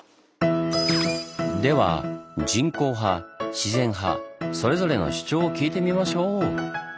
では人工派自然派それぞれの主張を聞いてみましょう！